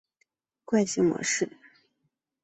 惯性模式。